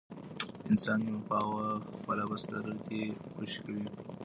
انسان نیم پاوه خوله په بستر کې خوشې کوي.